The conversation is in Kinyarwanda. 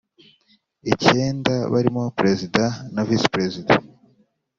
icyenda barimo Perezida na Visi Perezida